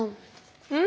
うん？